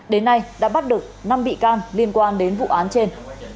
đến nay đã bắt được năm bị can liên quan đến vụ án trên